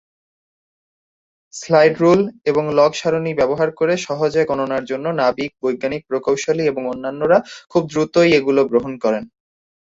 Slide rule এবং log সারণি ব্যবহার করে সহজে গণনার জন্য নাবিক, বৈজ্ঞানিক, প্রকৌশলী এবং অন্যান্যরা খুব দ্রুতই এগুলো গ্রহণ করেন।